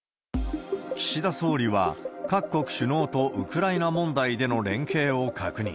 岸田総理は、各国首脳とウクライナ問題での連携を確認。